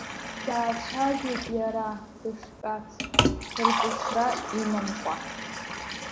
Даацәажәеит иара, дыштәац ҽырҵысра имамкәа.